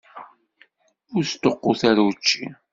Ur sṭuqqut ara učči.